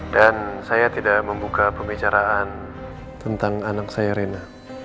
dan saya tidak membuka pembicaraan tentang anak saya reina